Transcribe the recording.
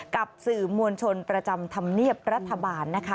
กับสื่อมวลชนประจำธรรมเนียบรัฐบาลนะคะ